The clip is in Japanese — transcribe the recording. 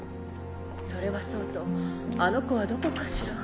それはそうとあの子はどこかしら。